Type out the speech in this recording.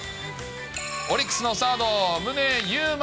オリックスのサード、宗佑磨。